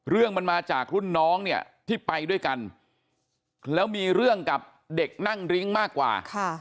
เรื่องมันมาจากรุ่นน้องเนี่ยที่ไปด้วยกันแล้วมีเรื่องกับเด็กนั่งริ้งมากกว่า